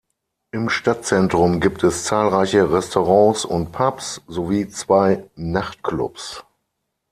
Im Stadtzentrum gibt es zahlreiche Restaurants und Pubs sowie zwei Nachtclubs.